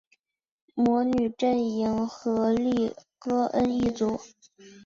魔女阵营荷丽歌恩一族